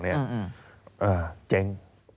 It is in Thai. อะเจ๊ง